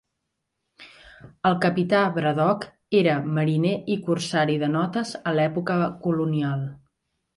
El capità Braddock era mariner i corsari de notes a l'època colonial.